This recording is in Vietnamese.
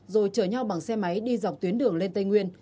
rồi chở nhau bằng xe máy đi dọc tuyến đường lên tây nguyên